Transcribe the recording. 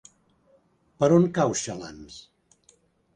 Per on cau Xalans?